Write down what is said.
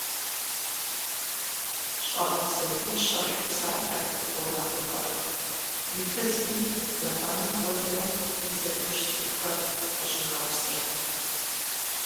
Щӏагъыбзэ дыдж щӏэлъу псалъэрт гъунэгъулӏыр, и фызми дзакъэнум хуэдэу и дзэ хужь цӏыкӏухэр къыщӏигъэпсырт.